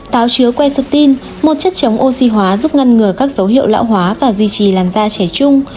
táo chứa quai sơ tin một chất chống oxy hóa giúp ngăn ngừa các dấu hiệu lão hóa và duy trì làn da trẻ trung